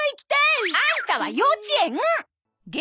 あんたは幼稚園！